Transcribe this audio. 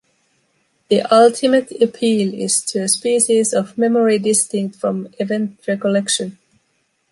The ultimate appeal is to a species of memory distinct from event recollection.